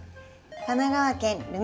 神奈川県る